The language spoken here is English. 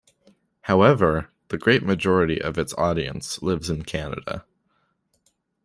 However, the great majority of its audience lives in Canada.